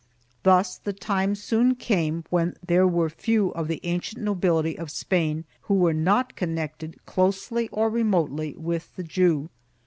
Thus the time soon came when there were few of the ancient nobility of Spain who were not connected, closely or remotely, with the Jew.